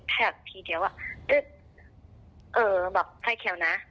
ใถ่อีกทีเดี๋ยวอะเออแบบไฟเขียวนะ